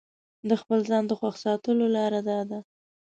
د خپل ځان د خوښ ساتلو لاره داده.